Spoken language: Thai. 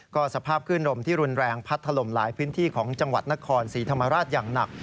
ก็สภาพขึ้นลมที่รุนแรงพัดถล่มหลายพื้นที่ของจังหวัดนครศรีธรรมราชอย่างหนัก